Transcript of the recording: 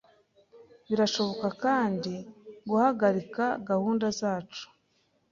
Birashoboka kandi guhagarika gahunda zacu